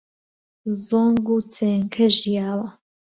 زۆنگ و چێنکە ژیاوە